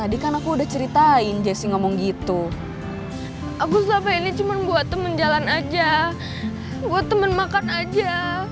aku selalu pengennya cuma buat temen jalan aja buat temen makan aja